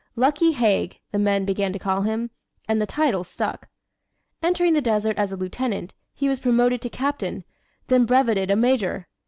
"Lucky Haig," the men began to call him, and the title stuck. Entering the desert as a Lieutenant, he was promoted to Captain, then brevetted a Major.